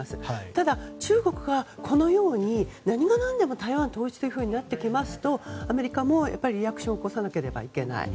ただ中国はこのように何が何でも台湾統一となってくるとアメリカもリアクションを起こさないといけない。